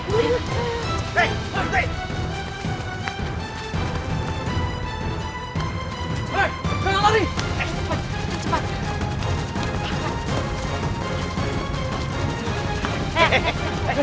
jangan saja kita menjauhkan liiz sendirian untuk melakukan pekerjaan femininal prejudice eks interpersonal yang tidak termasuk hewan